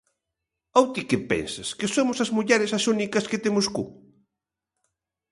_Ou ti que pensas, que somos as mulleres as únicas que temos cu?